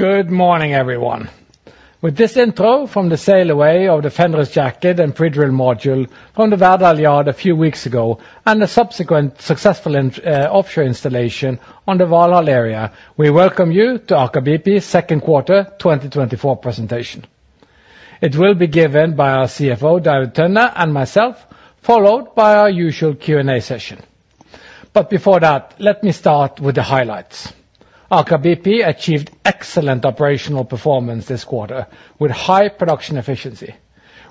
Good morning, everyone. With this intro from the sail away of the Fenris jacket and pre-drill module from the Verdal yard a few weeks ago, and the subsequent successful in offshore installation on the Valhall area, we welcome you to Aker BP's Q2 2024 presentation. It will be given by our CFO, David Tønne, and myself, followed by our usual Q&A session. But before that, let me start with the highlights. Aker BP achieved excellent operational performance this quarter with high production efficiency.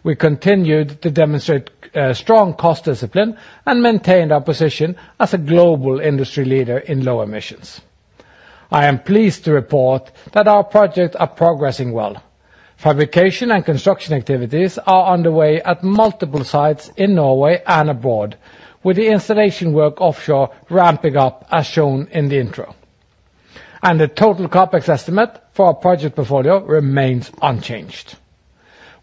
We continued to demonstrate strong cost discipline and maintained our position as a global industry leader in low emissions. I am pleased to report that our projects are progressing well. Fabrication and construction activities are underway at multiple sites in Norway and abroad, with the installation work offshore ramping up as shown in the intro. The total CapEx estimate for our project portfolio remains unchanged.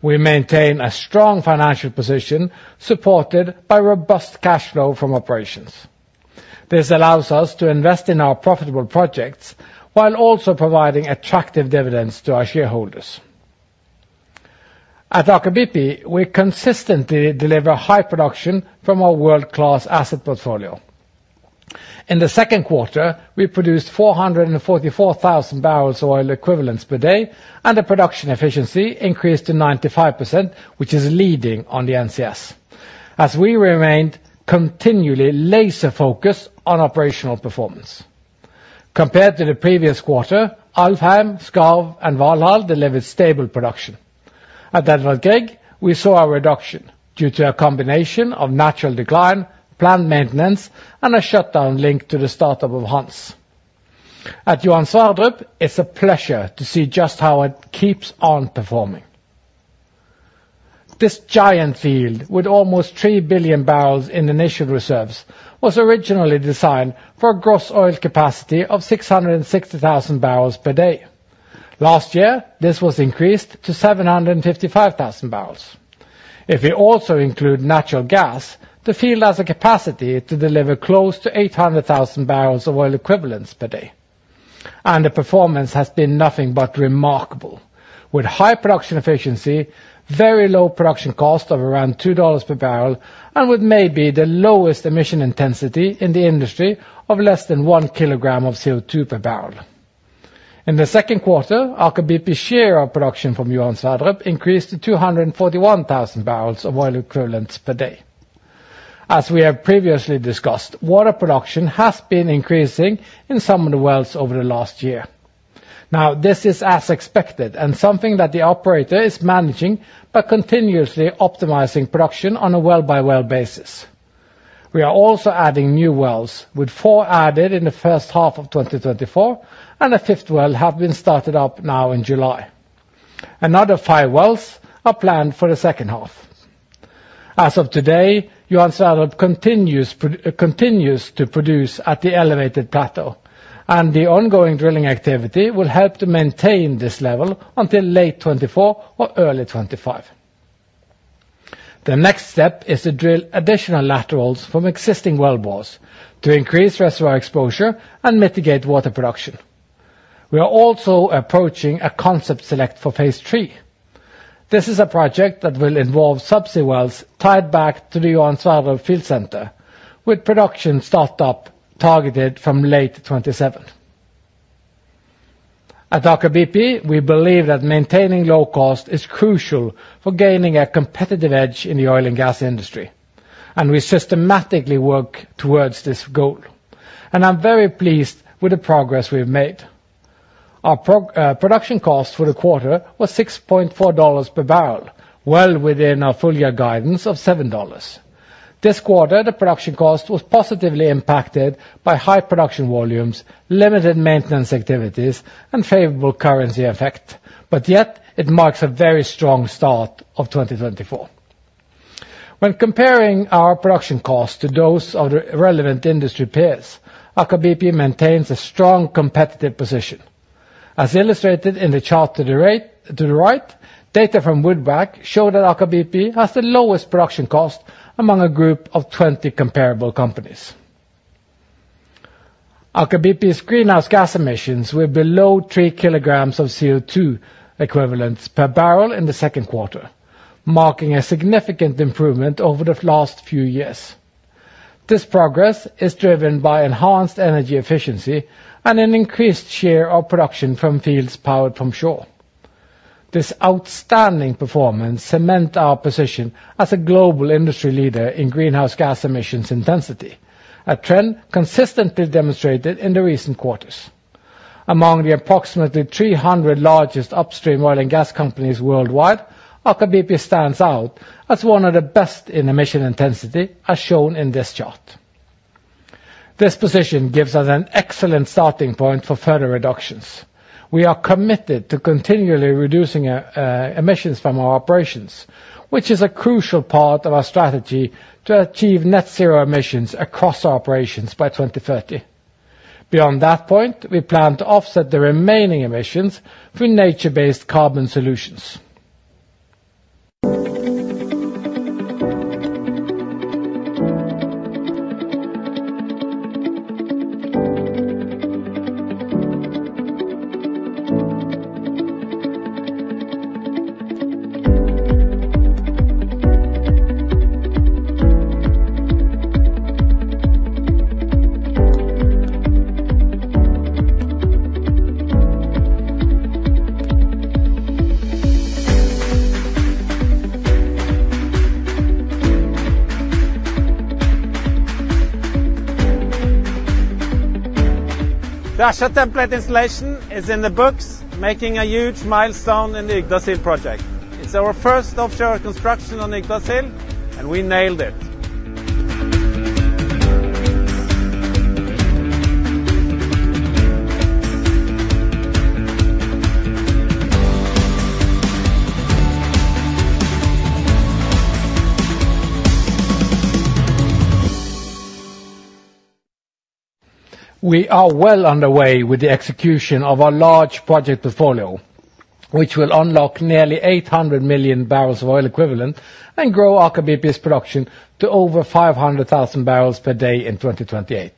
We maintain a strong financial position, supported by robust cash flow from operations. This allows us to invest in our profitable projects, while also providing attractive dividends to our shareholders. At Aker BP, we consistently deliver high production from our world-class asset portfolio. In the Q2, we produced 444,000 barrels of oil equivalents per day, and the production efficiency increased to 95%, which is leading on the NCS, as we remained continually laser focused on operational performance. Compared to the previous quarter, Alfheim, Skarv, and Valhall delivered stable production. At Edvard Grieg, we saw a reduction due to a combination of natural decline, planned maintenance, and a shutdown linked to the startup of Hanz. At Johan Sverdrup, it's a pleasure to see just how it keeps on performing. This giant field, with almost 3 billion barrels in initial reserves, was originally designed for a gross oil capacity of 660,000 barrels per day. Last year, this was increased to 755,000 barrels. If we also include natural gas, the field has a capacity to deliver close to 800,000 barrels of oil equivalents per day. The performance has been nothing but remarkable. With high production efficiency, very low production cost of around $2 per barrel, and with maybe the lowest emission intensity in the industry of less than 1 kilogram of CO2 per barrel. In the Q2, Aker BP share of production from Johan Sverdrup increased to 241,000 barrels of oil equivalents per day. As we have previously discussed, water production has been increasing in some of the wells over the last year. Now, this is as expected and something that the operator is managing by continuously optimizing production on a well-by-well basis. We are also adding new wells, with 4 added in the H1 of 2024, and a fifth well have been started up now in July. Another 5 wells are planned for the H2. As of today, Johan Sverdrup continues to produce at the elevated plateau, and the ongoing drilling activity will help to maintain this level until late 2024 or early 2025. The next step is to drill additional laterals from existing wellbores to increase reservoir exposure and mitigate water production. We are also approaching a concept select for phase three. This is a project that will involve subsea wells tied back to the Johan Sverdrup field center, with production startup targeted from late 2027. At Aker BP, we believe that maintaining low cost is crucial for gaining a competitive edge in the oil and gas industry, and we systematically work towards this goal, and I'm very pleased with the progress we've made. Our production cost for the quarter was $6.4 per barrel, well within our full year guidance of $7. This quarter, the production cost was positively impacted by high production volumes, limited maintenance activities, and favorable currency effect, but yet, it marks a very strong start of 2024. When comparing our production costs to those of the relevant industry peers, Aker BP maintains a strong competitive position. As illustrated in the chart to the right, to the right, data from Woodmac show that Aker BP has the lowest production cost among a group of 20 comparable companies. Aker BP's greenhouse gas emissions were below three kilograms of CO2 equivalents per barrel in the Q2, marking a significant improvement over the last few years. This progress is driven by enhanced energy efficiency and an increased share of production from fields powered from shore. This outstanding performance cement our position as a global industry leader in greenhouse gas emissions intensity, a trend consistently demonstrated in the recent quarters. Among the approximately 300 largest upstream oil and gas companies worldwide, Aker BP stands out as one of the best in emission intensity, as shown in this chart. This position gives us an excellent starting point for further reductions. We are committed to continually reducing emissions from our operations, which is a crucial part of our strategy to achieve net zero emissions across our operations by 2030. Beyond that point, we plan to offset the remaining emissions through nature-based carbon solutions. The template installation is in the books, making a huge milestone in the Yggdrasil project. It's our first offshore construction on Yggdrasil, and we nailed it. We are well underway with the execution of our large project portfolio, which will unlock nearly 800 million barrels of oil equivalent, and grow Aker BP's production to over 500,000 barrels per day in 2028.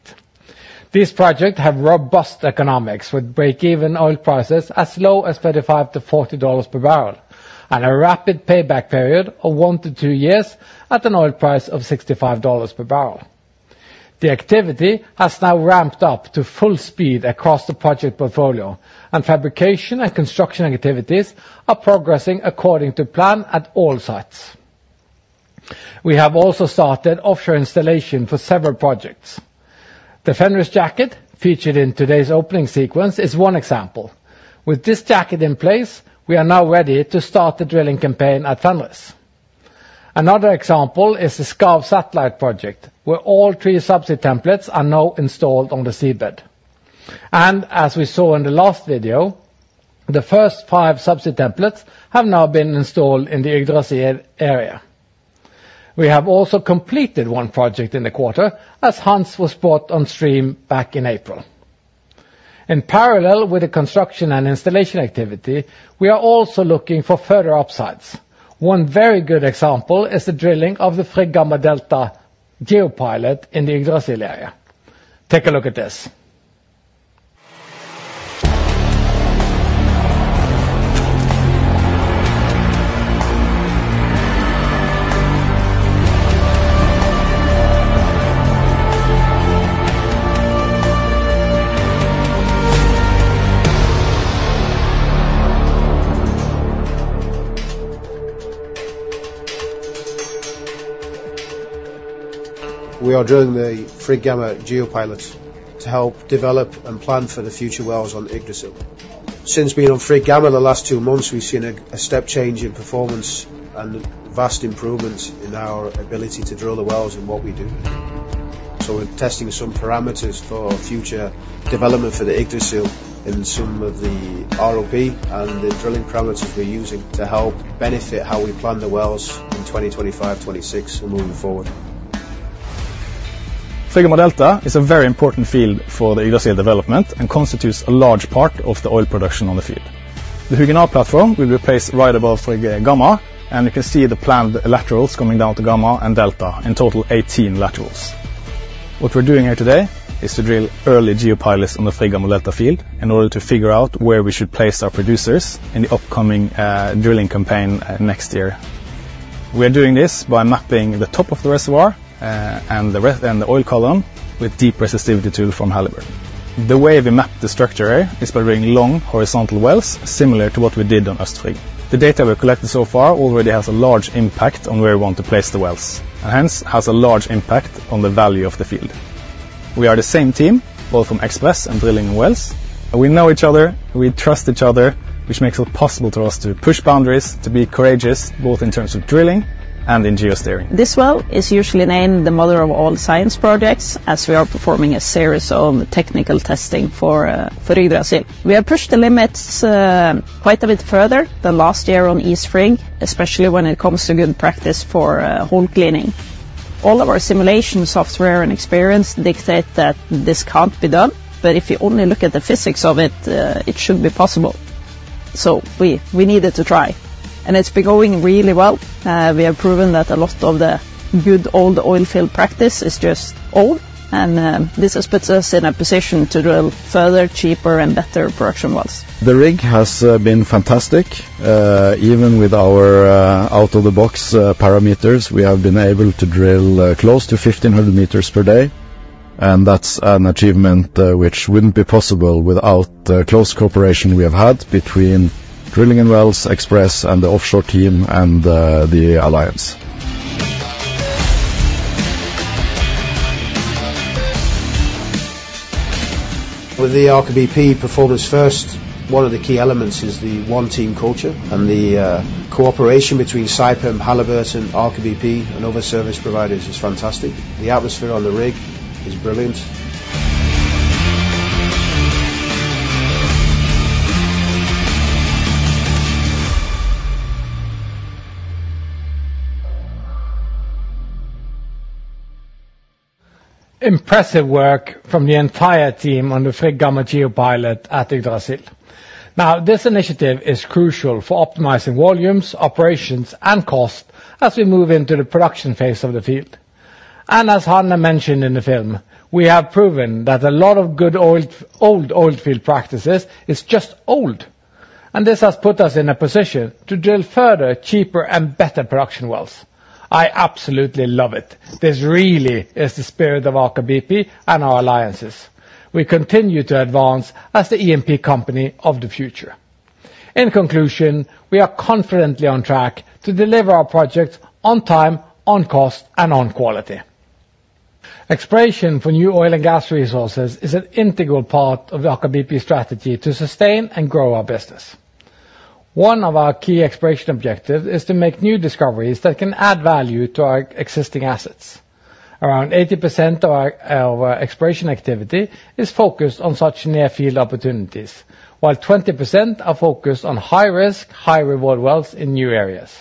These projects have robust economics, with break-even oil prices as low as $35-$40 per barrel, and a rapid payback period of 1-2 years at an oil price of $65 per barrel. The activity has now ramped up to full speed across the project portfolio, and fabrication and construction activities are progressing according to plan at all sites. We have also started offshore installation for several projects. The Fenris jacket, featured in today's opening sequence, is one example. With this jacket in place, we are now ready to start the drilling campaign at Fenris. Another example is the Skarv Satellite Project, where all three subsea templates are now installed on the seabed. As we saw in the last video, the first five subsea templates have now been installed in the Yggdrasil area. We have also completed one project in the quarter, as Hanz was brought on stream back in April. In parallel with the construction and installation activity, we are also looking for further upsides. One very good example is the drilling of the Frigg Gamma Delta Geo-Pilot in the Yggdrasil area. Take a look at this. We are drilling the Frigg Gamma Geo-Pilot to help develop and plan for the future wells on Yggdrasil. Since being on Frigg Gamma in the last two months, we've seen a step change in performance and vast improvements in our ability to drill the wells and what we do. So we're testing some parameters for future development for the Yggdrasil in some of the ROP, and the drilling parameters we're using to help benefit how we plan the wells in 2025, 2026, and moving forward. Frigg Gamma Delta is a very important field for the Yggdrasil development, and constitutes a large part of the oil production on the field. The Huguenot platform will be placed right above Frigg Gamma, and you can see the planned laterals coming down to Gamma and Delta. In total, 18 laterals. What we're doing here today is to drill early Geo-Pilots on the Frigg Gamma Delta field in order to figure out where we should place our producers in the upcoming drilling campaign next year. We are doing this by mapping the top of the reservoir and the oil column with deep resistivity tool from Halliburton. The way we map the structure is by bringing long horizontal wells, similar to what we did on Øst Frigg. The data we've collected so far already has a large impact on where we want to place the wells, and hence, has a large impact on the value of the field. We are the same team, both from Express and Drilling Wells, and we know each other, we trust each other, which makes it possible to us to push boundaries, to be courageous, both in terms of drilling and in geosteering. This well is usually named the mother of all science projects, as we are performing a series of technical testing for Yggdrasil. We have pushed the limits quite a bit further than last year on East Frigg, especially when it comes to good practice for hole cleaning. All of our simulation software and experience dictate that this can't be done, but if you only look at the physics of it it should be possible. So we, we needed to try, and it's been going really well. We have proven that a lot of the good old oil field practice is just old, and this has put us in a position to drill further, cheaper, and better production wells. The rig has been fantastic. Even with our out of the box parameters, we have been able to drill close to 1,500 meters per day, and that's an achievement which wouldn't be possible without the close cooperation we have had between Drilling and Wells Express, and the offshore team, and the alliance. With the Aker BP performance first, one of the key elements is the one team culture, and the cooperation between Saipem, Halliburton, Aker BP, and other service providers is fantastic. The atmosphere on the rig is brilliant. Impressive work from the entire team on the Frigg Gamma Geo-Pilot at Yggdrasil. Now, this initiative is crucial for optimizing volumes, operations, and cost as we move into the production phase of the field. And as Hannah mentioned in the film, we have proven that a lot of good oil, old oil field practices is just old, and this has put us in a position to drill further, cheaper, and better production wells. I absolutely love it. This really is the spirit of Aker BP and our alliances. We continue to advance as the EMP company of the future. In conclusion, we are confidently on track to deliver our projects on time, on cost, and on quality. Exploration for new oil and gas resources is an integral part of the Aker BP strategy to sustain and grow our business. One of our key exploration objective is to make new discoveries that can add value to our existing assets. Around 80% of our exploration activity is focused on such near field opportunities, while 20% are focused on high-risk, high-reward wells in new areas.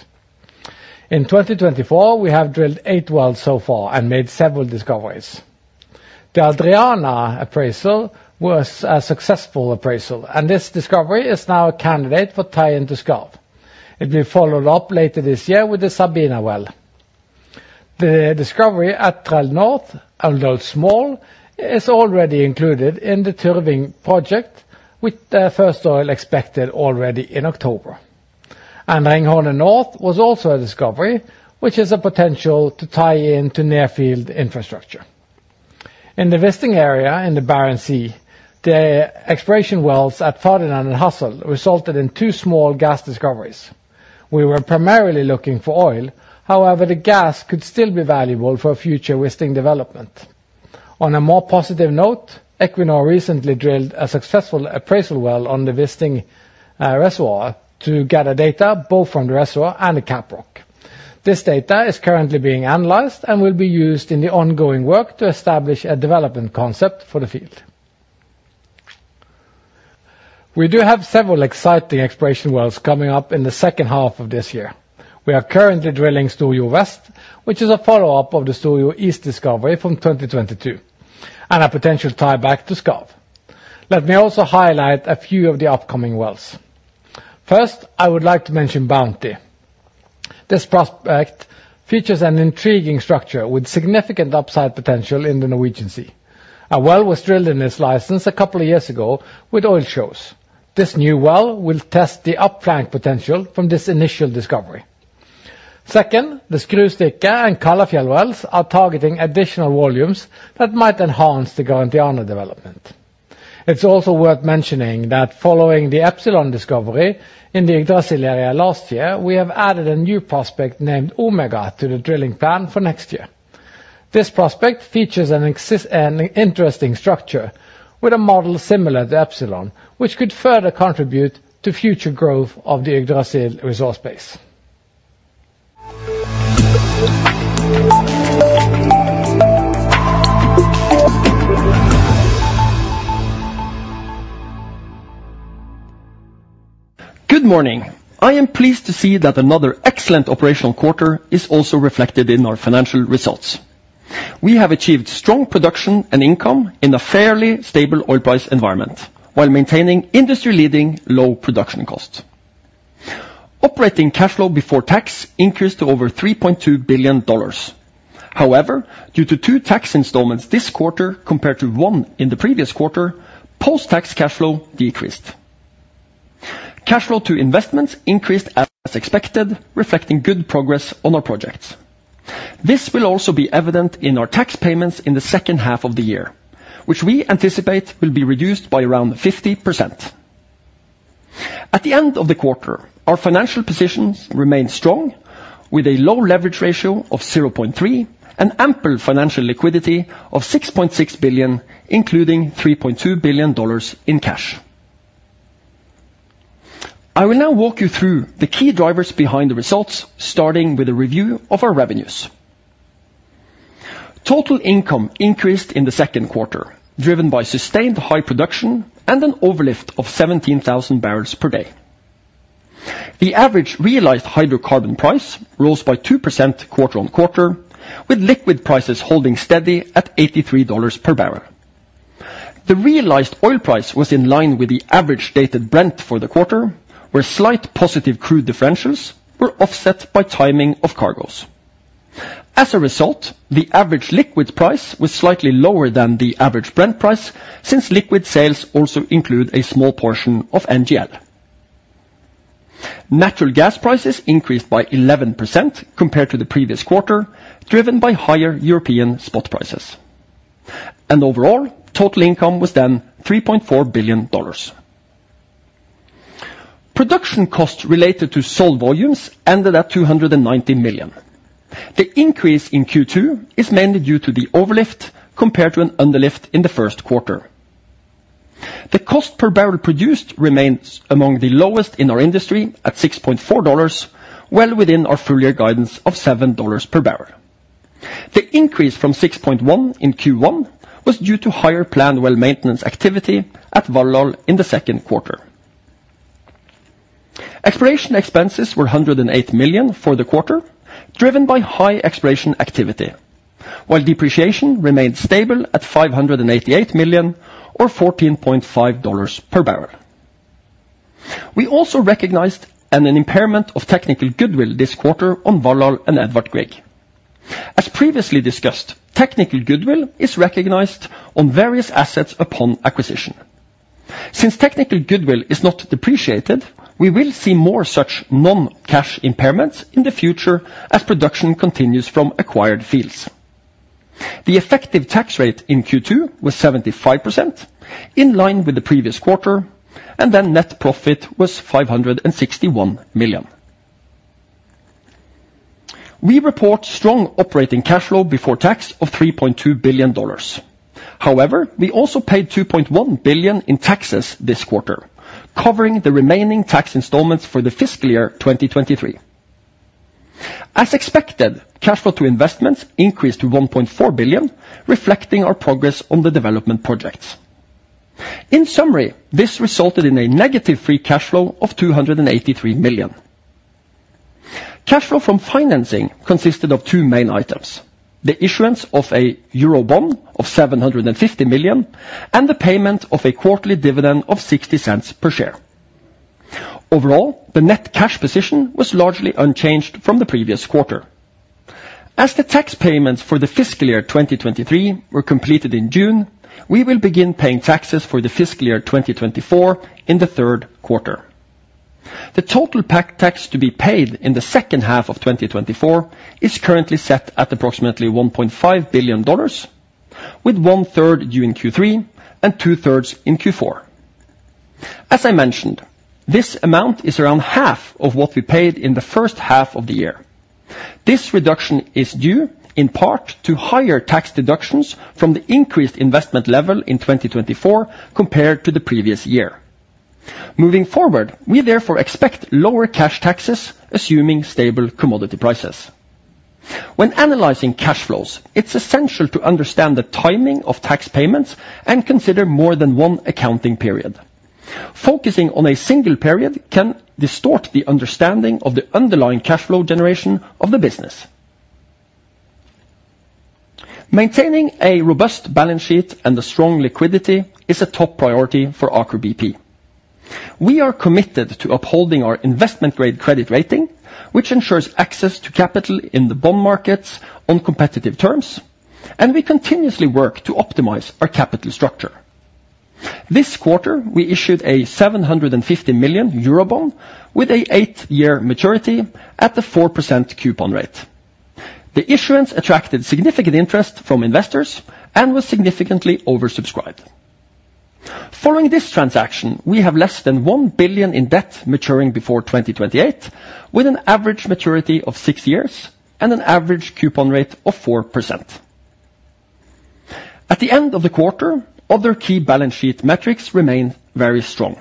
In 2024, we have drilled 8 wells so far and made several discoveries. The Adriana appraisal was a successful appraisal, and this discovery is now a candidate for tie-in to Skarv. It will be followed up later this year with the Sabina well. The discovery at Trell North, although small, is already included in the Tyrving Project, with the first oil expected already in October. Ringhorne North was also a discovery, which is a potential to tie in to near-field infrastructure. In the visiting area in the Barents Sea, the exploration wells at Ferdinand and Hassel resulted in two small gas discoveries. We were primarily looking for oil, however, the gas could still be valuable for future Vistingen development. On a more positive note, Equinor recently drilled a successful appraisal well on the Vistingen reservoir to gather data, both from the reservoir and the caprock. This data is currently being analyzed and will be used in the ongoing work to establish a development concept for the field. We do have several exciting exploration wells coming up in the H2 of this year. We are currently drilling Storjo West, which is a follow-up of the Storjo East discovery from 2022, and a potential tie back to Skarv. Let me also highlight a few of the upcoming wells. First, I would like to mention Bounty. This prospect features an intriguing structure with significant upside potential in the Norwegian Sea. A well was drilled in this license a couple of years ago with oil shows. This new well will test the up flank potential from this initial discovery. Second, the Skrustikke and Kaldfjell wells are targeting additional volumes that might enhance the Garantiana development. It's also worth mentioning that following the Epsilon discovery in the Yggdrasil area last year, we have added a new prospect named Omega to the drilling plan for next year. This prospect features an interesting structure with a model similar to Epsilon, which could further contribute to future growth of the Yggdrasil resource base. Good morning. I am pleased to see that another excellent operational quarter is also reflected in our financial results. We have achieved strong production and income in a fairly stable oil price environment, while maintaining industry-leading low production costs. Operating cash flow before tax increased to over $3.2 billion. However, due to 2 tax installments this quarter, compared to 1 in the previous quarter, post-tax cash flow decreased. Cash flow to investments increased as expected, reflecting good progress on our projects. This will also be evident in our tax payments in the H2 of the year, which we anticipate will be reduced by around 50%. At the end of the quarter, our financial positions remained strong, with a low leverage ratio of 0.3 and ample financial liquidity of $6.6 billion, including $3.2 billion in cash. I will now walk you through the key drivers behind the results, starting with a review of our revenues. Total income increased in the Q2, driven by sustained high production and an overlift of 17,000 barrels per day. The average realized hydrocarbon price rose by 2% quarter-on-quarter, with liquid prices holding steady at $83 per barrel. The realized oil price was in line with the average dated Brent for the quarter, where slight positive crude differentials were offset by timing of cargoes. As a result, the average liquid price was slightly lower than the average Brent price, since liquid sales also include a small portion of NGL. Natural gas prices increased by 11% compared to the previous quarter, driven by higher European spot prices. Overall, total income was then $3.4 billion. Production costs related to sold volumes ended at $290 million. The increase in Q2 is mainly due to the overlift compared to an underlift in the Q1. The cost per barrel produced remains among the lowest in our industry at $6.4, well within our full year guidance of $7 per barrel. The increase from $6.1 in Q1 was due to higher planned well maintenance activity at Valhall in the second quarter. Exploration expenses were $108 million for the quarter, driven by high exploration activity, while depreciation remained stable at $588 million, or $14.5 per barrel. We also recognized an impairment of technical goodwill this quarter on Valhall and Edvard Grieg. As previously discussed, technical goodwill is recognized on various assets upon acquisition. Since technical goodwill is not depreciated, we will see more such non-cash impairments in the future as production continues from acquired fields. The effective tax rate in Q2 was 75%, in line with the previous quarter, and then net profit was $561 million. We report strong operating cash flow before tax of $3.2 billion. However, we also paid $2.1 billion in taxes this quarter, covering the remaining tax installments for the fiscal year 2023. As expected, cash flow to investments increased to $1.4 billion, reflecting our progress on the development projects. In summary, this resulted in a negative free cash flow of $283 million. Cash flow from financing consisted of two main items: the issuance of a $750 million Euro bond, and the payment of a quarterly dividend of $0.60 per share. Overall, the net cash position was largely unchanged from the previous quarter. As the tax payments for the fiscal year 2023 were completed in June, we will begin paying taxes for the fiscal year 2024 in the Q3. The total pack tax to be paid in the H2 of 2024 is currently set at approximately $1.5 billion, with one third due in Q3 and two-thirds in Q4. As I mentioned, this amount is around half of what we paid in the H1 of the year. This reduction is due in part to higher tax deductions from the increased investment level in 2024, compared to the previous year. Moving forward, we therefore expect lower cash taxes, assuming stable commodity prices. When analyzing cash flows, it's essential to understand the timing of tax payments and consider more than one accounting period. Focusing on a single period can distort the understanding of the underlying cash flow generation of the business. Maintaining a robust balance sheet and a strong liquidity is a top priority for Aker BP. We are committed to upholding our investment-grade credit rating, which ensures access to capital in the bond markets on competitive terms, and we continuously work to optimize our capital structure. This quarter, we issued a 750 million euro bond with an 8-year maturity at the 4% coupon rate. The issuance attracted significant interest from investors and was significantly oversubscribed. Following this transaction, we have less than $1 billion in debt maturing before 2028, with an average maturity of six years and an average coupon rate of 4%. At the end of the quarter, other key balance sheet metrics remained very strong.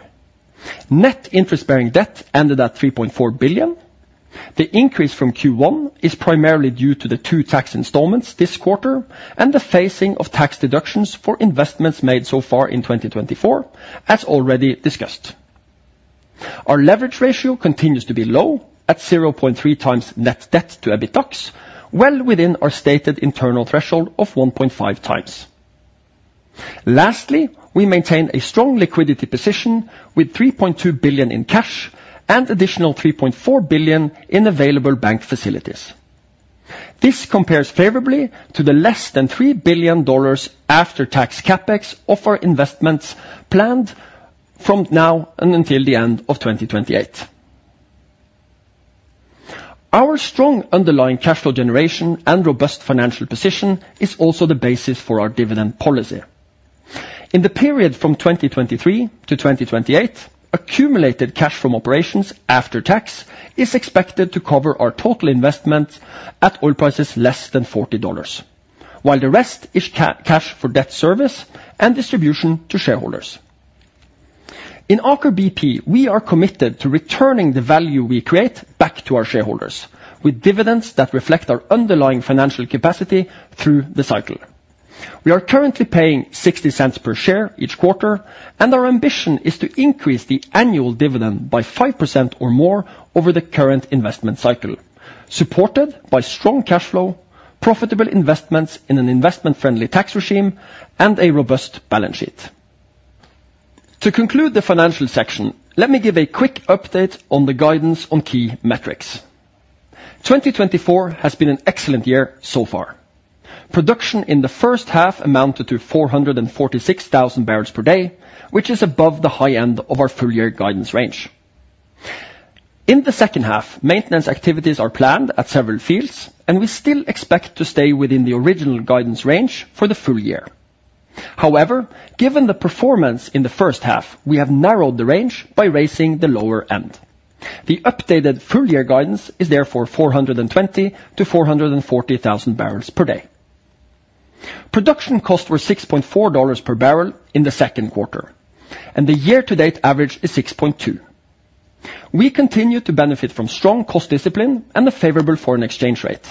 Net interest-bearing debt ended at $3.4 billion. The increase from Q1 is primarily due to the two tax installments this quarter, and the phasing of tax deductions for investments made so far in 2024, as already discussed. Our leverage ratio continues to be low, at 0.3x net debt to EBITDA, well within our stated internal threshold of 1.5x. Lastly, we maintain a strong liquidity position with $3.2 billion in cash and additional $3.4 billion in available bank facilities. This compares favorably to the less than $3 billion after-tax CapEx of our investments planned from now and until the end of 2028. Our strong underlying cash flow generation and robust financial position is also the basis for our dividend policy. In the period from 2023 to 2028, accumulated cash from operations after tax is expected to cover our total investment at oil prices less than $40, while the rest is cash for debt service and distribution to shareholders. In Aker BP, we are committed to returning the value we create back to our shareholders, with dividends that reflect our underlying financial capacity through the cycle. We are currently paying $0.60 per share each quarter, and our ambition is to increase the annual dividend by 5% or more over the current investment cycle, supported by strong cash flow, profitable investments in an investment-friendly tax regime, and a robust balance sheet. To conclude the financial section, let me give a quick update on the guidance on key metrics. 2024 has been an excellent year so far. Production in the H1 amounted to 446,000 barrels per day, which is above the high end of our full-year guidance range. In the H2, maintenance activities are planned at several fields, and we still expect to stay within the original guidance range for the full year. However, given the performance in the H1, we have narrowed the range by raising the lower end. The updated full year guidance is therefore 420,000-440,000 barrels per day. Production costs were $6.4 per barrel in the Q2, and the year-to-date average is $6.2. We continue to benefit from strong cost discipline and a favorable foreign exchange rate.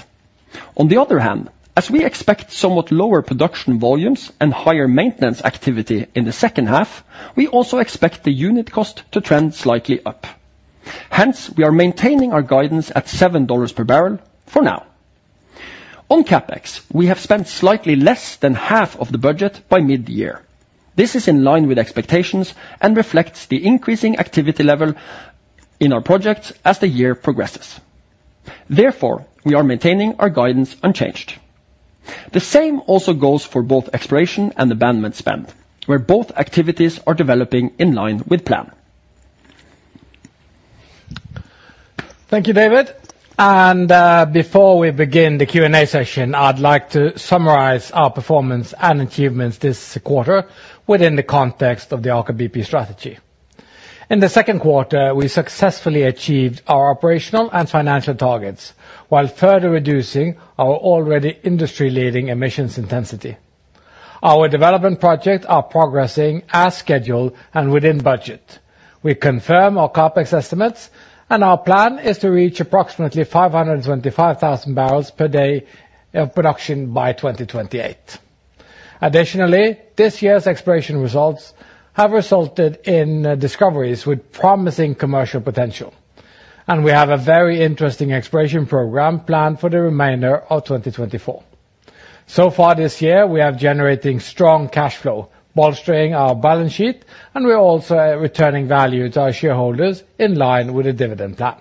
On the other hand, as we expect somewhat lower production volumes and higher maintenance activity in the H2, we also expect the unit cost to trend slightly up. Hence, we are maintaining our guidance at $7 per barrel for now. On CapEx, we have spent slightly less than half of the budget by mid-year. This is in line with expectations and reflects the increasing activity level in our projects as the year progresses. Therefore, we are maintaining our guidance unchanged. The same also goes for both exploration and abandonment spend, where both activities are developing in line with plan. Thank you, David. And, before we begin the Q&A session, I'd like to summarize our performance and achievements this quarter within the context of the Aker BP strategy. In the Q2, we successfully achieved our operational and financial targets, while further reducing our already industry-leading emissions intensity. Our development project are progressing as scheduled and within budget. We confirm our CapEx estimates, and our plan is to reach approximately 525,000 barrels per day of production by 2028. Additionally, this year's exploration results have resulted in discoveries with promising commercial potential, and we have a very interesting exploration program planned for the remainder of 2024. So far this year, we are generating strong cash flow, bolstering our balance sheet, and we are also returning value to our shareholders in line with the dividend plan.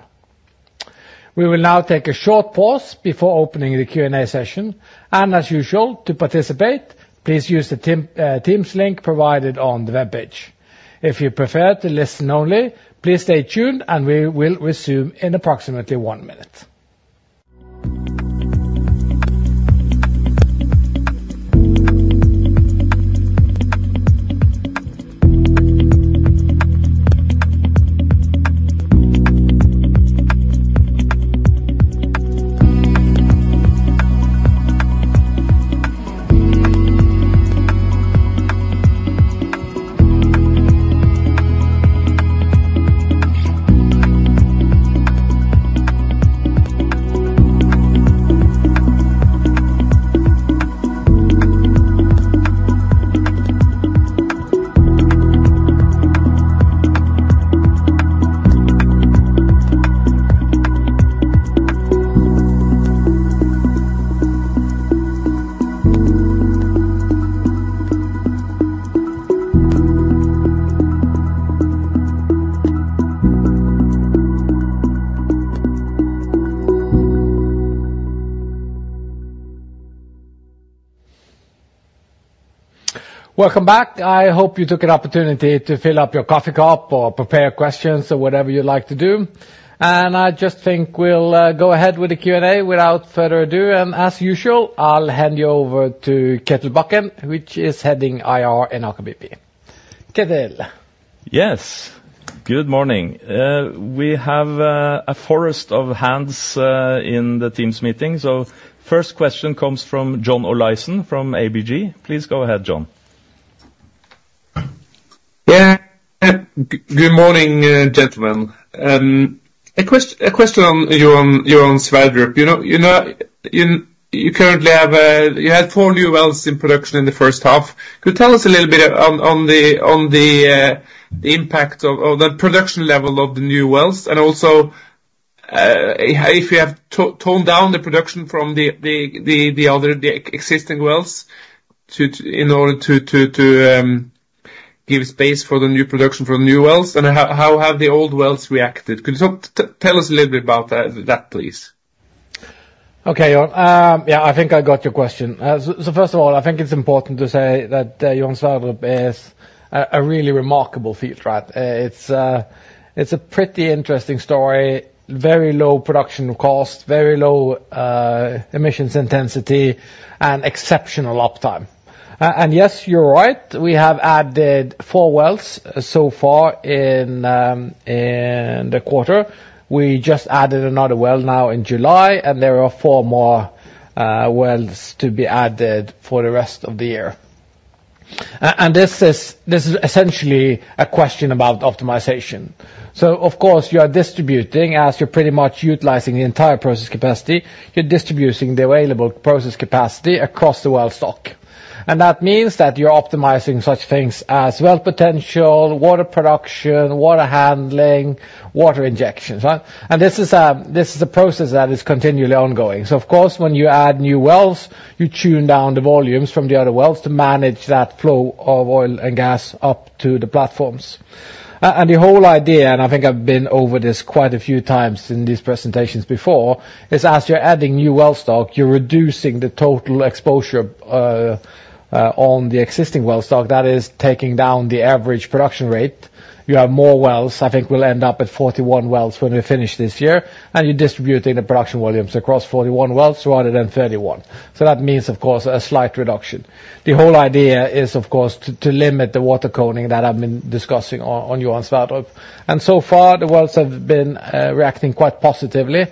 We will now take a short pause before opening the Q&A session. As usual, to participate, please use the Teams link provided on the web page. If you prefer to listen only, please stay tuned, and we will resume in approximately one minute. Welcome back. I hope you took an opportunity to fill up your coffee cup or prepare questions or whatever you'd like to do. I just think we'll go ahead with the Q&A without further ado, and as usual, I'll hand you over to Kjetil Bakken, which is heading IR in Aker BP. Kjetil? Yes. Good morning. We have a forest of hands in the Teams meeting. So first question comes from John Olaisen from ABG. Please go ahead, John. Yeah, good morning, gentlemen. A question on your own, your own Sverdrup. You know, you know, you currently have, you had four new wells in production in the H1. Could you tell us a little bit on the impact of the production level of the new wells, and also, if you have toned down the production from the other, the existing wells to, in order to, give space for the new production from the new wells, and how have the old wells reacted? Could you tell us a little bit about that, please? Okay, yeah, I think I got your question. So first of all, I think it's important to say that, Johan Sverdrup is a really remarkable field, right? It's a pretty interesting story. Very low production cost, very low emissions intensity, and exceptional uptime. And yes, you're right, we have added four wells so far in the quarter. We just added another well now in July, and there are four more wells to be added for the rest of the year. And this is essentially a question about optimization. So of course, you are distributing as you're pretty much utilizing the entire process capacity. You're distributing the available process capacity across the well stock. And that means that you're optimizing such things as well potential, water production, water handling, water injections, right? This is a process that is continually ongoing. Of course, when you add new wells, you tune down the volumes from the other wells to manage that flow of oil and gas up to the platforms. The whole idea, and I think I've been over this quite a few times in these presentations before, is as you're adding new well stock, you're reducing the total exposure on the existing well stock. That is, taking down the average production rate. You have more wells. I think we'll end up at 41 wells when we finish this year, and you're distributing the production volumes across 41 wells rather than 31. That means, of course, a slight reduction. The whole idea is, of course, to limit the water coning that I've been discussing on Johan Sverdrup. So far, the wells have been reacting quite positively.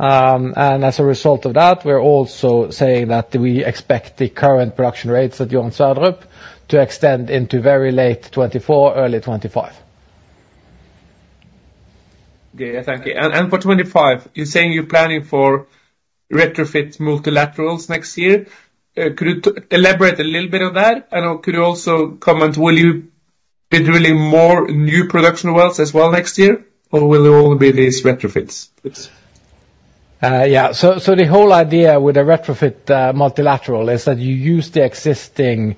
As a result of that, we're also saying that we expect the current production rates at Johan Sverdrup to extend into very late 2024, early 2025. Yeah, thank you. And for 2025, you're saying you're planning for retrofit multilaterals next year. Could you elaborate a little bit on that? And could you also comment, will you-... did really more new production wells as well next year, or will it only be these retrofits? Yeah, so the whole idea with a retrofit multilateral is that you use the existing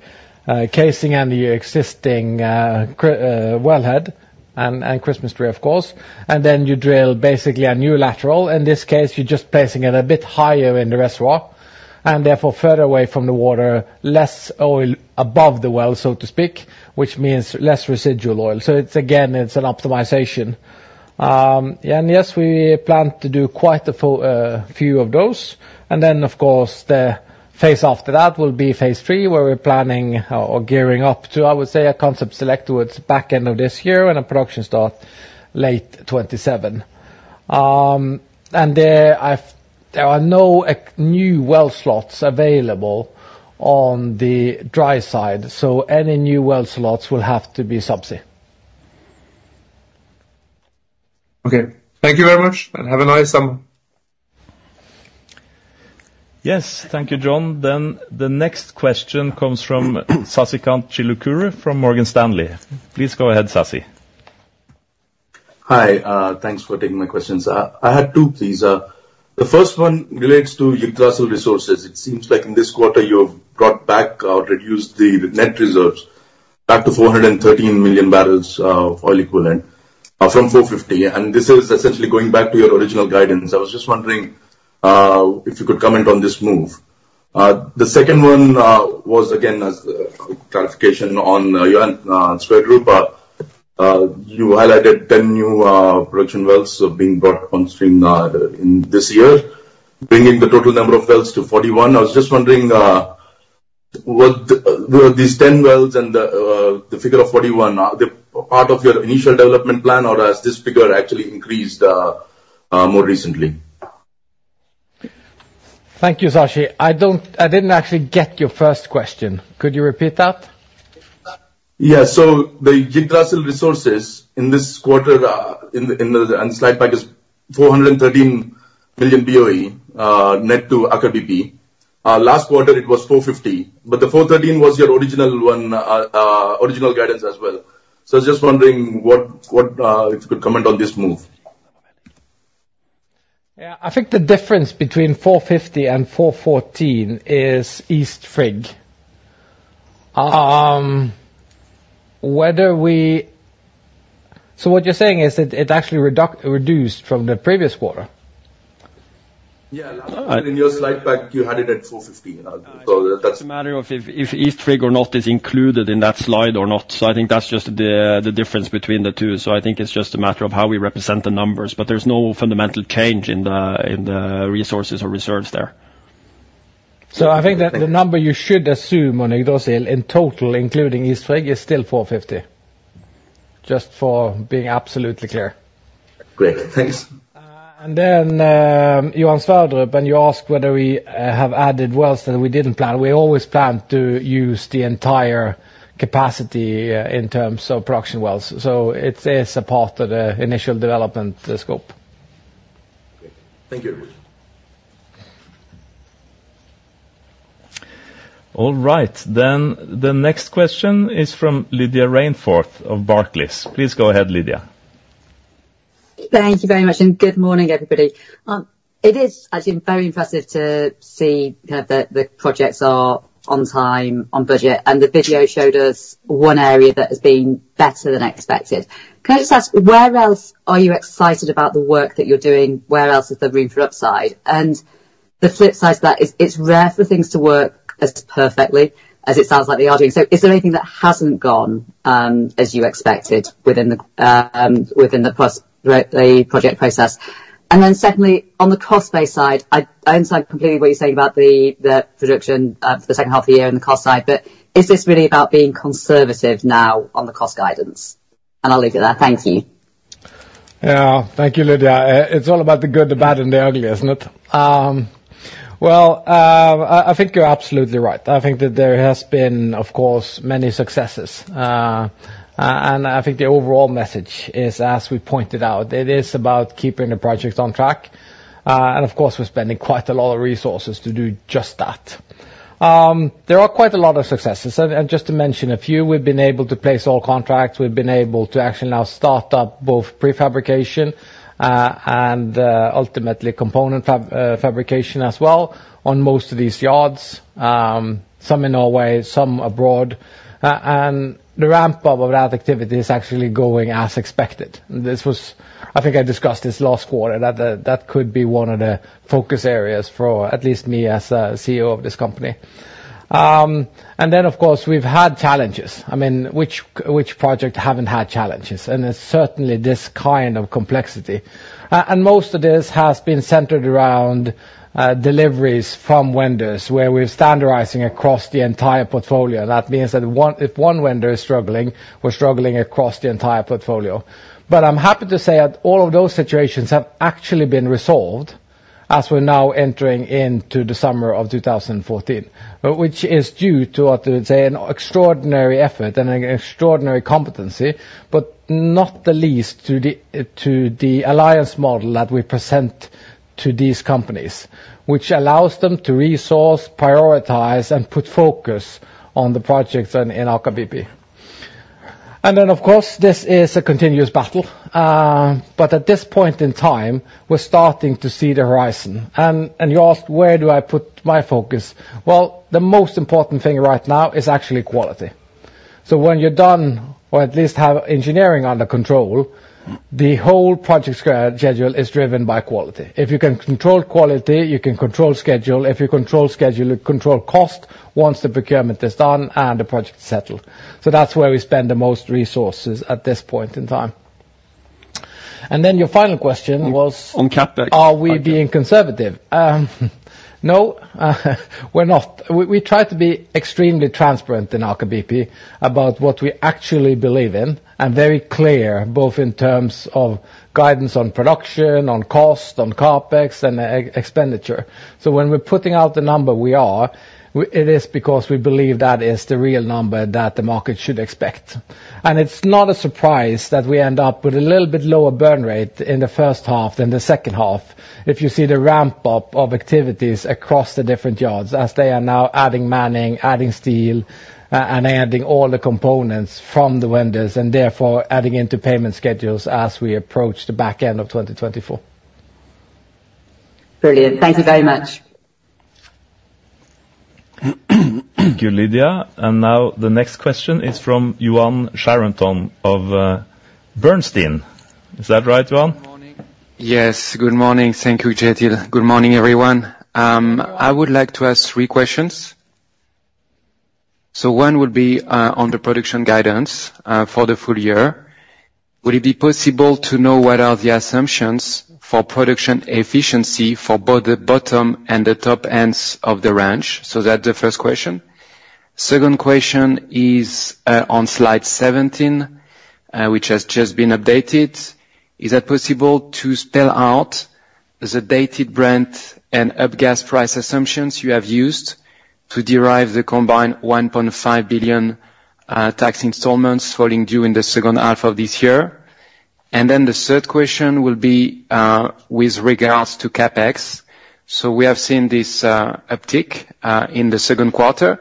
casing and the existing wellhead and Christmas tree, of course, and then you drill basically a new lateral. In this case, you're just placing it a bit higher in the reservoir, and therefore further away from the water, less oil above the well, so to speak, which means less residual oil. So it's again, it's an optimization. And yes, we plan to do quite a few of those. And then, of course, the phase after that will be phase three, where we're planning or gearing up to, I would say, a concept select towards back end of this year and a production start late 2027. There are no new well slots available on the dry side, so any new well slots will have to be subsea. Okay. Thank you very much, and have a nice summer. Yes, thank you, John. The next question comes from Sasikant Chilukuri from Morgan Stanley. Please go ahead, Sasi. Hi, thanks for taking my questions. I had two, please. The first one relates to Yggdrasil resources. It seems like in this quarter you have brought back or reduced the net reserves back to 413 million barrels of oil equivalent from 450. This is essentially going back to your original guidance. I was just wondering if you could comment on this move. The second one was, again, as a clarification on Johan Sverdrup. You highlighted 10 new production wells being brought on stream in this year, bringing the total number of wells to 41. I was just wondering, were these 10 wells and the figure of 41, are they part of your initial development plan, or has this figure actually increased more recently? Thank you, Sasi. I don't... I didn't actually get your first question. Could you repeat that? Yeah, so the Yggdrasil resources in this quarter, in the slide pack is 413 million BOE, net to Aker BP. Last quarter, it was 450, but the 413 was your original one, original guidance as well. So I was just wondering what if you could comment on this move? Yeah, I think the difference between 450 and 414 is East Frigg. So what you're saying is that it actually reduced from the previous quarter? Yeah. All right. In your slide pack, you had it at 415. So that's- It's a matter of if East Frigg or not is included in that slide or not. So I think that's just the difference between the two. So I think it's just a matter of how we represent the numbers, but there's no fundamental change in the resources or reserves there. I think that the number you should assume on Yggdrasil in total, including East Frigg, is still 450, just for being absolutely clear. Great. Thanks. And then, Johan Sverdrup, and you ask whether we have added wells that we didn't plan. We always plan to use the entire capacity, in terms of production wells, so it is a part of the initial development scope. Great. Thank you. All right, then the next question is from Lydia Rainforth of Barclays. Please go ahead, Lydia. Thank you very much, and good morning, everybody. It is actually very impressive to see that the projects are on time, on budget, and the video showed us one area that has been better than expected. Can I just ask, where else are you excited about the work that you're doing? Where else is the room for upside? And the flip side to that is it's rare for things to work as perfectly as it sounds like they are doing. So is there anything that hasn't gone as you expected within the project process? And then secondly, on the cost base side, I see it completely what you're saying about the production for the H2 of the year and the cost side, but is this really about being conservative now on the cost guidance? And I'll leave it there. Thank you. Yeah. Thank you, Lydia. It's all about the good, the bad, and the ugly, isn't it? Well, I think you're absolutely right. I think that there has been, of course, many successes. And I think the overall message is, as we pointed out, it is about keeping the project on track. And of course, we're spending quite a lot of resources to do just that. There are quite a lot of successes, and just to mention a few, we've been able to place all contracts, we've been able to actually now start up both prefabrication and ultimately component fabrication as well on most of these yards, some in Norway, some abroad. And the ramp-up of that activity is actually going as expected. This was... I think I discussed this last quarter, that that could be one of the focus areas for at least me as a CEO of this company. And then, of course, we've had challenges. I mean, which project haven't had challenges? And certainly, this kind of complexity. And most of this has been centered around deliveries from vendors, where we're standardizing across the entire portfolio. That means that if one vendor is struggling, we're struggling across the entire portfolio. But I'm happy to say that all of those situations have actually been resolved as we're now entering into the summer of 2014, which is due to, I would say, an extraordinary effort and an extraordinary competency, but not the least, to the alliance model that we present to these companies, which allows them to resource, prioritize, and put focus on the projects in Aker BP. And then, of course, this is a continuous battle. But at this point in time, we're starting to see the horizon. And you asked, where do I put my focus? Well, the most important thing right now is actually quality. So when you're done, or at least have engineering under control, the whole project schedule is driven by quality. If you can control quality, you can control schedule. If you control schedule, you control cost once the procurement is done and the project is settled. That's where we spend the most resources at this point in time. Then your final question was- On CapEx. Are we being conservative? No, we're not. We try to be extremely transparent in Aker BP about what we actually believe in, and very clear, both in terms of guidance on production, on cost, on CapEx and expenditure. So when we're putting out the number we are, it is because we believe that is the real number that the market should expect. And it's not a surprise that we end up with a little bit lower burn rate in the H1 than the H2. If you see the ramp-up of activities across the different yards, as they are now adding manning, adding steel, and adding all the components from the vendors, and therefore adding into payment schedules as we approach the back end of 2024. Brilliant. Thank you very much. Thank you, Lydia. And now the next question is from Yoann Charenton of Bernstein. Is that right, Johan? Good morning. Yes, good morning. Thank you, Kjetil. Good morning, everyone. I would like to ask three questions. So one would be on the production guidance for the full year. Would it be possible to know what are the assumptions for production efficiency for both the bottom and the top ends of the range? So that's the first question. Second question is on slide 17, which has just been updated. Is it possible to spell out the Dated Brent and UK gas price assumptions you have used to derive the combined $1.5 billion tax installments falling due in the second half of this year? And then the third question will be with regards to CapEx. So we have seen this uptick in the Q2.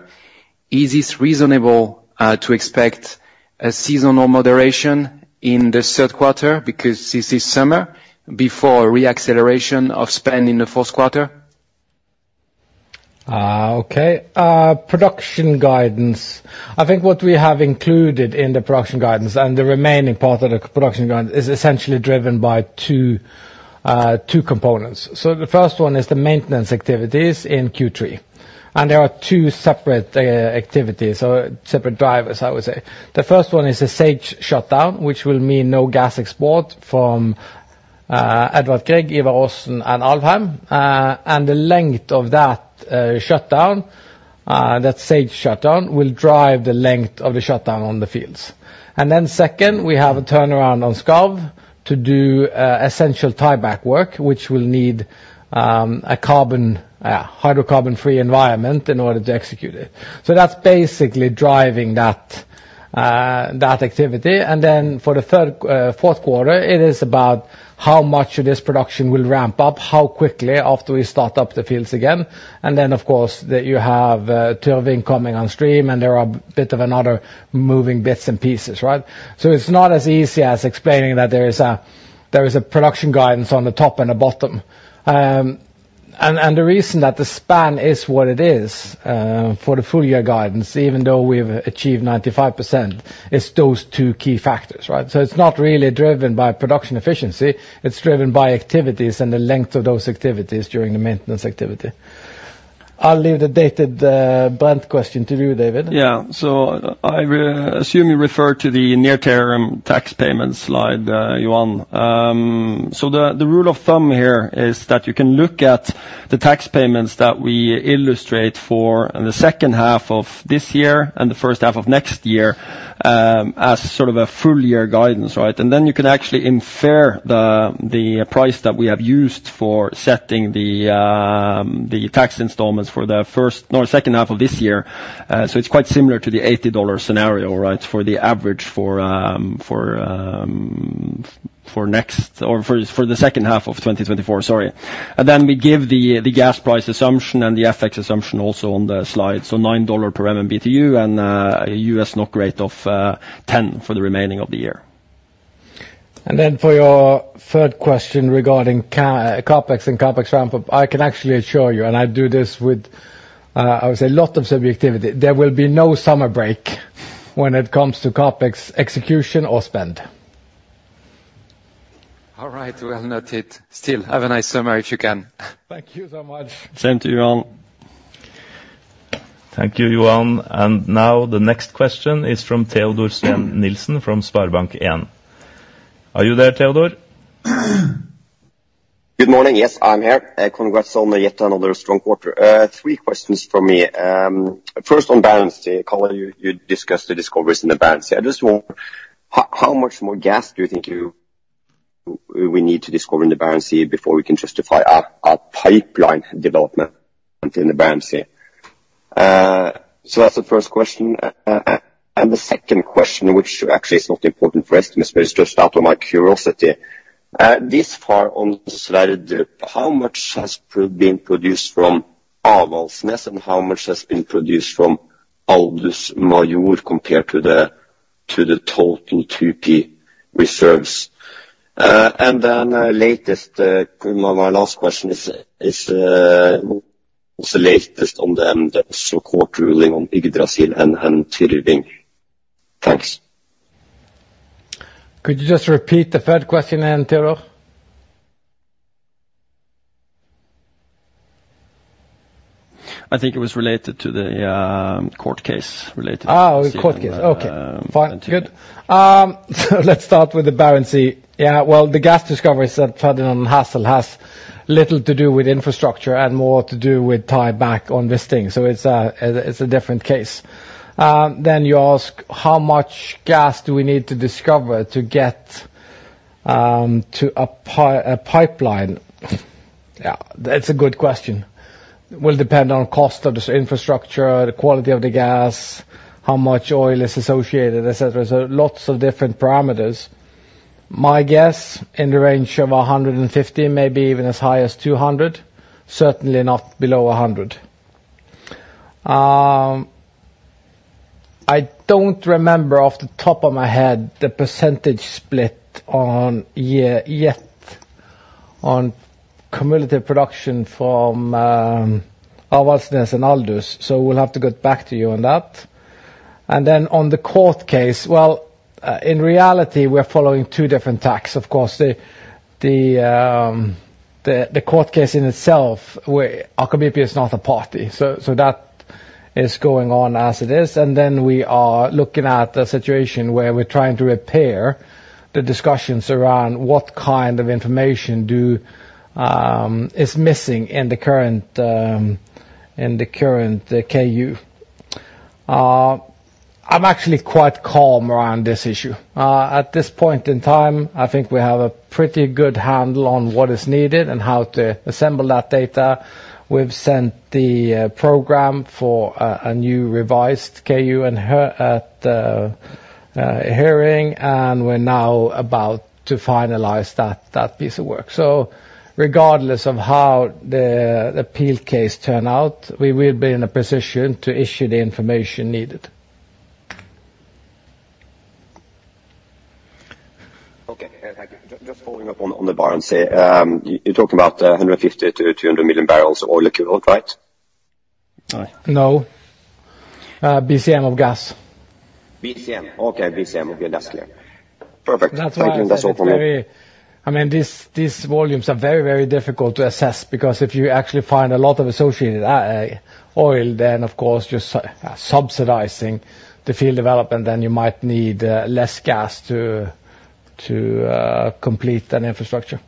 Is it reasonable to expect a seasonal moderation in the Q3 because this is summer, before re-acceleration of spend in the Q4? Okay. Production guidance. I think what we have included in the production guidance, and the remaining part of the production guidance, is essentially driven by two components. So the first one is the maintenance activities in Q3, and there are two separate activities, or separate drivers, I would say. The first one is a Sage shutdown, which will mean no gas export from Edvard Grieg, Ivar Aasen, and Alvheim. And the length of that shutdown, that Sage shutdown, will drive the length of the shutdown on the fields. And then second, we have a turnaround on Skarv to do essential tieback work, which will need a hydrocarbon-free environment in order to execute it. So that's basically driving that activity. Then for the Q3, Q4, it is about how much of this production will ramp up, how quickly after we start up the fields again. Then, of course, that you have Tuvin coming on stream, and there are a bit of another moving bits and pieces, right? So it's not as easy as explaining that there is a production guidance on the top and the bottom. And the reason that the span is what it is for the full year guidance, even though we've achieved 95%, it's those two key factors, right? So it's not really driven by production efficiency, it's driven by activities and the length of those activities during the maintenance activity. I'll leave the dated Brent question to you, David. Yeah. So I assume you refer to the near-term tax payment slide, Johan. So the rule of thumb here is that you can look at the tax payments that we illustrate for the H2 of this year and the H1 of next year, as sort of a full year guidance, right? And then you can actually infer the price that we have used for setting the tax installments for the first... No, H2 of this year. So it's quite similar to the $80 scenario, right, for the average for next, or for, for the H2 of 2024, sorry. Then we give the gas price assumption and the FX assumption also on the slide, so $9 per MMBtu and a USD/NOK rate of 10 for the remainder of the year. And then for your third question regarding CapEx and CapEx ramp-up, I can actually assure you, and I do this with, I would say, a lot of subjectivity, there will be no summer break when it comes to CapEx execution or spend. All right. Well, noted. Still, have a nice summer, if you can. Thank you so much. Same to you, Yoann. Thank you, Yoann. And now the next question is from Theodor Sten Nilsen, from SpareBank 1. Are you there, Theodor? Good morning. Yes, I'm here. Congrats on yet another strong quarter. Three questions from me. First, on Barents Sea. Colin, you discussed the discoveries in the Barents Sea. I just want to know how much more gas do you think we need to discover in the Barents Sea before we can justify a pipeline development in the Barents Sea? So that's the first question. And the second question, which actually is not important for estimates, but it's just out of my curiosity. So far on the Sverdrup, how much has been produced from Avaldsnes, and how much has been produced from Aldous Major compared to the total 2P reserves? And then, my last question is, what's the latest on the so-called ruling on Yggdrasil and Tyrihans? Thanks. Could you just repeat the third question then, Theodor? I think it was related to the court case related to- Ah, court case. Um. Okay, fine. Good. So let's start with the Barents Sea. Yeah, well, the gas discoveries at Ferdinand and Hassel has little to do with infrastructure and more to do with tie back on this thing, so it's a, it's a different case. Then you ask, how much gas do we need to discover to get, to a pipeline? Yeah, that's a good question. Will depend on cost of this infrastructure, the quality of the gas, how much oil is associated, et cetera, so lots of different parameters. My guess, in the range of 150, maybe even as high as 200, certainly not below 100. I don't remember off the top of my head the percentage split on, yeah, yet, on cumulative production from, Avaldsnes/Aldous, so we'll have to get back to you on that. On the court case, well, in reality, we're following two different tracks. Of course, the court case in itself, where Aker BP is not a party, so that is going on as it is, and then we are looking at the situation where we're trying to repair the discussions around what kind of information is missing in the current, in the current KU. I'm actually quite calm around this issue. At this point in time, I think we have a pretty good handle on what is needed and how to assemble that data. We've sent the program for a new revised KU and here at a hearing, and we're now about to finalize that piece of work. Regardless of how the appeal case turn out, we will be in a position to issue the information needed. Okay, thank you. Just following up on the Barents Sea. You're talking about 150-200 million barrels of oil equivalent, right? No. BCM of gas. BCM? Okay, BCM will be less clear. Perfect. That's why- Thank you. That's all for me. I mean, these volumes are very, very difficult to assess, because if you actually find a lot of associated oil, then, of course, you're subsidizing the field development, then you might need less gas to complete an infrastructure.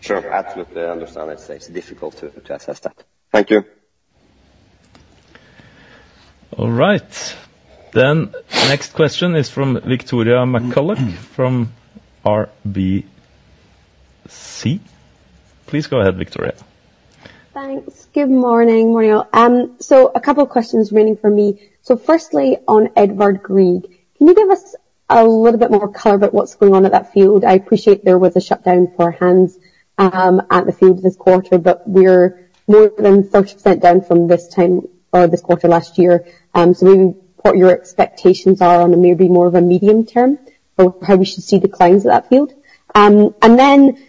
Sure, absolutely understand. It's difficult to assess that. Thank you. All right. Then, next question is from Victoria McCullough, from RBC. Please go ahead, Victoria. Thanks. Good morning, Mario. So a couple of questions really for me. So firstly, on Edvard Grieg, can you give us a little bit more color about what's going on at that field? I appreciate there was a shutdown for Hanz, at the field this quarter, but we're more than 30% down from this time or this quarter last year. So maybe what your expectations are on a maybe more of a medium term for how we should see the declines of that field. And then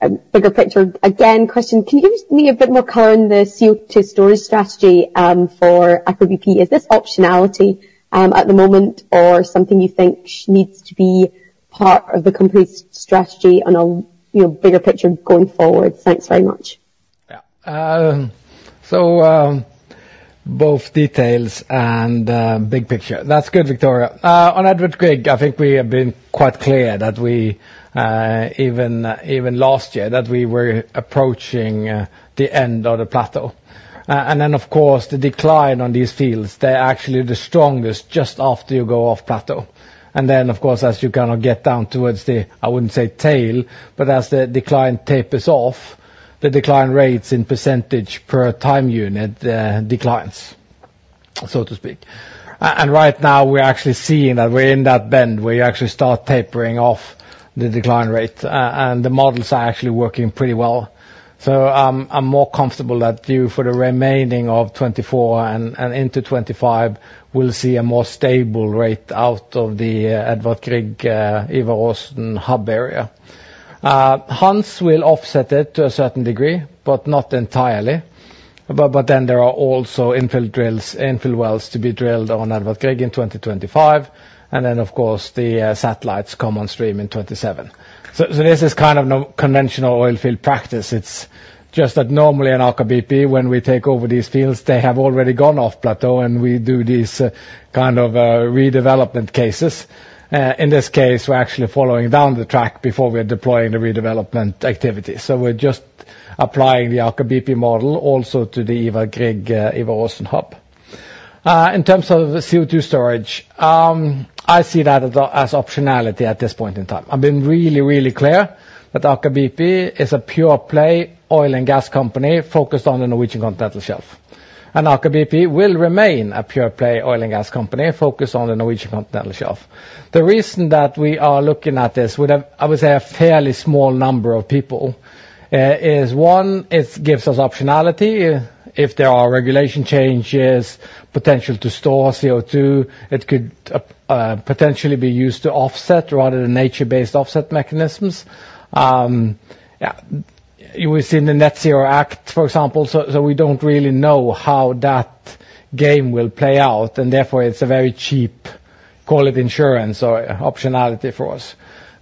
a bigger picture, again, question: Can you give me a bit more color on the CO2 storage strategy for Aker BP? Is this optionality at the moment, or something you think needs to be part of the company's strategy on a, you know, bigger picture going forward? Thanks very much. Yeah. So, both details and big picture. That's good, Victoria. On Edvard Grieg, I think we have been quite clear that we, even, even last year, that we were approaching the end of the plateau. And then, of course, the decline on these fields, they're actually the strongest just after you go off plateau. And then, of course, as you kind of get down towards the, I wouldn't say tail, but as the decline tapers off, the decline rates in percentage per time unit, declines, so to speak. And right now, we're actually seeing that we're in that bend where you actually start tapering off the decline rate, and the models are actually working pretty well. So, I'm more comfortable that you, for the remaining of 2024 and into 2025, will see a more stable rate out of the Edvard Grieg, Ivar Aasen hub area. Hans will offset it to a certain degree, but not entirely. But then there are also infill drills, infill wells to be drilled on Edvard Grieg in 2025, and then, of course, the satellites come on stream in 2027. So this is kind of conventional oil field practice. It's just that normally in Aker BP, when we take over these fields, they have already gone off plateau, and we do these kind of redevelopment cases. In this case, we're actually following down the track before we're deploying the redevelopment activity. So we're just applying the Aker BP model also to the Edvard Grieg, Ivar Aasen hub. In terms of the CO2 storage, I see that as optionality at this point in time. I've been really, really clear that Aker BP is a pure play oil and gas company focused on the Norwegian continental shelf. Aker BP will remain a pure play oil and gas company focused on the Norwegian continental shelf. The reason that we are looking at this with a, I would say, a fairly small number of people is one, it gives us optionality. If there are regulation changes, potential to store CO2, it could potentially be used to offset rather than nature-based offset mechanisms. Yeah, it was in the Net Zero Act, for example. So we don't really know how that game will play out, and therefore it's a very cheap, call it insurance or optionality for us.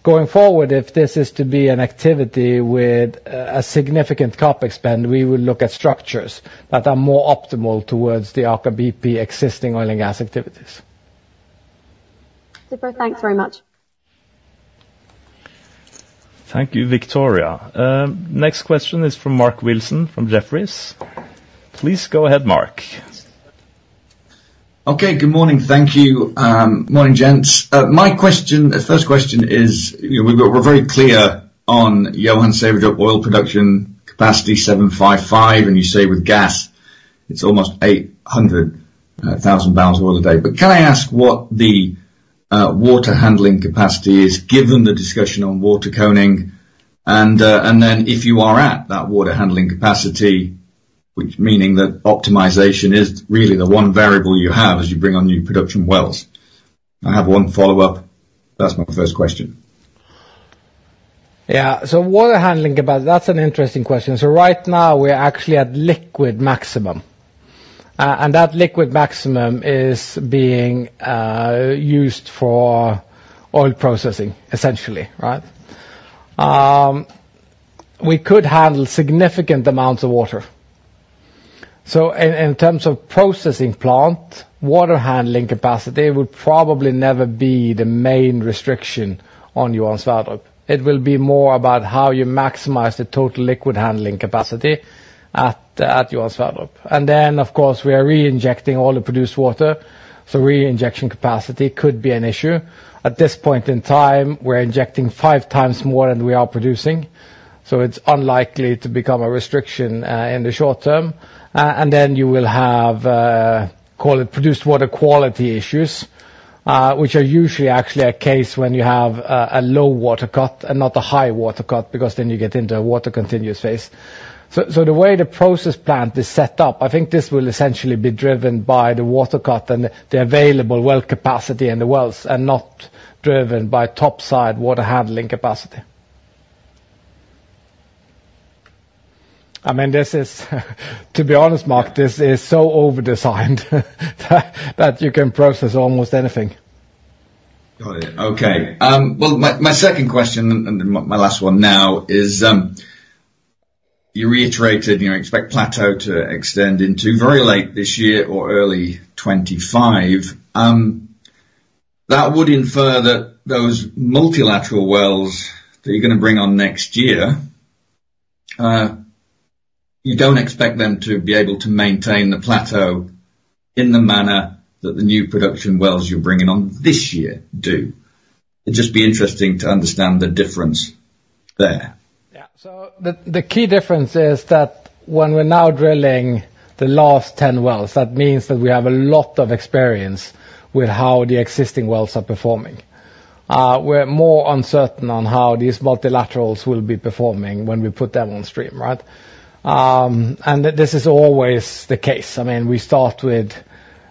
Going forward, if this is to be an activity with a significant CapEx spend, we will look at structures that are more optimal towards the Aker BP existing oil and gas activities. Super. Thanks very much. Thank you, Victoria. Next question is from Mark Wilson from Jefferies. Please go ahead, Mark. Okay, good morning. Thank you. Morning, gents. My question, the first question is, you know, we're very clear on Johan Sverdrup oil production capacity, 755, and you say with gas, it's almost 800,000 barrels a day. But can I ask what the water handling capacity is, given the discussion on water coning? And then if you are at that water handling capacity, which meaning that optimization is really the one variable you have as you bring on new production wells. I have one follow-up. That's my first question. Yeah. So water handling capacity, that's an interesting question. So right now, we're actually at liquid maximum. And that liquid maximum is being used for oil processing, essentially, right? We could handle significant amounts of water. So in terms of processing plant, water handling capacity would probably never be the main restriction on Johan Sverdrup. It will be more about how you maximize the total liquid handling capacity at Johan Sverdrup. And then, of course, we are reinjecting all the produced water, so reinjection capacity could be an issue. At this point in time, we're injecting 5x more than we are producing, so it's unlikely to become a restriction in the short term. And then you will have, call it, produced water quality issues, which are usually actually a case when you have, a low water cut and not a high water cut, because then you get into a water continuous phase. So, so the way the process plant is set up, I think this will essentially be driven by the water cut and the available well capacity in the wells, and not driven by topside water handling capacity. I mean, this is, to be honest, Mark, this is so overdesigned, that, that you can process almost anything. Got it. Okay. Well, my second question, and my last one now is, you reiterated you expect plateau to extend into very late this year or early 2025. That would infer that those multilateral wells that you're gonna bring on next year, you don't expect them to be able to maintain the plateau in the manner that the new production wells you're bringing on this year do. It'd just be interesting to understand the difference there. Yeah. So the key difference is that when we're now drilling the last 10 wells, that means that we have a lot of experience with how the existing wells are performing. We're more uncertain on how these multilaterals will be performing when we put them on stream, right? And this is always the case. I mean, we start with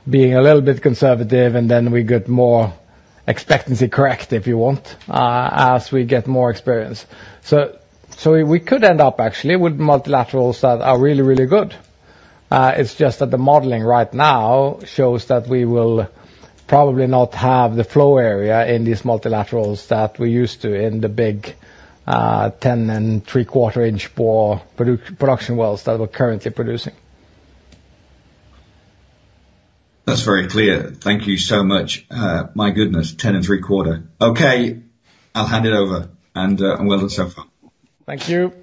being a little bit conservative, and then we get more expectancy correct, if you want, as we get more experience. So we could end up actually with multilaterals that are really, really good. It's just that the modeling right now shows that we will probably not have the flow area in these multilaterals that we used to in the big 10 3/4-inch bore production wells that we're currently producing. That's very clear. Thank you so much. My goodness, 10.75. Okay, I'll hand it over, and well done so far. Thank you.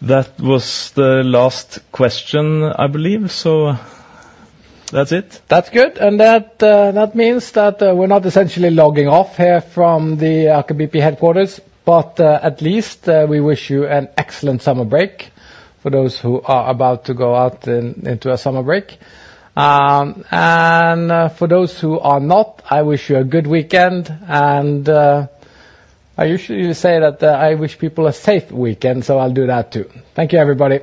That was the last question, I believe. So that's it. That's good, and that means that we're not essentially logging off here from the Aker BP headquarters, but at least we wish you an excellent summer break, for those who are about to go out into a summer break. And for those who are not, I wish you a good weekend, and I usually say that I wish people a safe weekend, so I'll do that, too. Thank you, everybody.